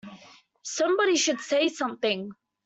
Somebody should say something